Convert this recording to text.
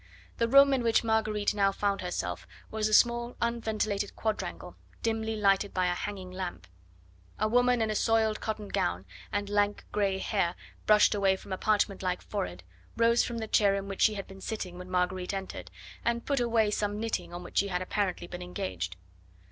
The room in which Marguerite now found herself was a small unventilated quadrangle, dimly lighted by a hanging lamp. A woman in a soiled cotton gown and lank grey hair brushed away from a parchment like forehead rose from the chair in which she had been sitting when Marguerite entered, and put away some knitting on which she had apparently been engaged.